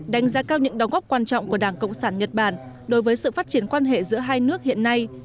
đánh giá cao những đóng góp quan trọng của đảng cộng sản nhật bản đối với sự phát triển quan hệ giữa hai nước hiện nay